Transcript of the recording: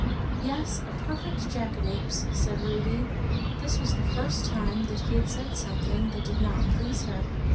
"Yes, a perfect jackanapes!" said Rudy; this was the first time, that he had said something, that did not please her.